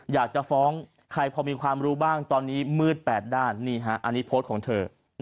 อยากจะฟ้องใครพอมีความรู้บ้างตอนนี้มืด๘ด้านนี่ฮะอันนี้โพสต์ของเธอ